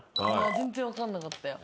全然分かんなかったよ。